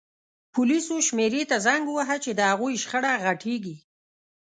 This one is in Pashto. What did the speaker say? پولیسو شمېرې ته زنګ ووهه چې د هغوی شخړه غټیږي